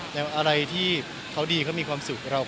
ใช่ไม่มีก็ไม่บอกครับ